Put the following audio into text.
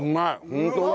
ホントだ。